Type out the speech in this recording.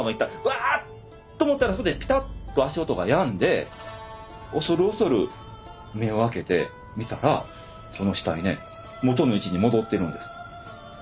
ワーッと思ったらそこでピタッと足音がやんで恐る恐る目を開けて見たらその死体ね元の位置に戻ってるんです。